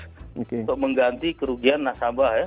untuk mengganti kerugian nasabah ya